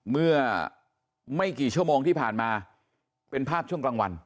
เมื่อไม่กี่ชั่วโมงที่ผ่านมาเป็นภาพช่วงกลางวัน